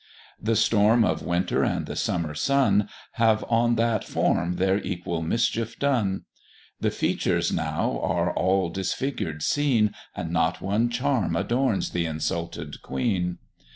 The storm of winter, and the summer sun, Have on that form their equal mischief done; The features now are all disfigured seen, And not one charm adorns th' insulted queen.